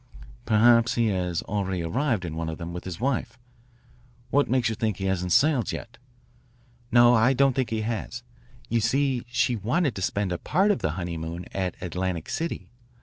"Perhaps he has already arrived in one of them with his wife. What makes you think he hasn't sailed yet? "No, I don't think he has. You see, she wanted to spend a part of the honeymoon at Atlantic City.